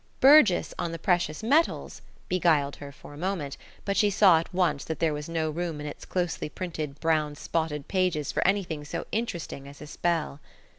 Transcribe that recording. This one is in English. "Burgess on the Precious Metals" beguiled her for a moment, but she saw at once that there was no room in its closely printed, brown spotted pages for anything so interesting as a spell.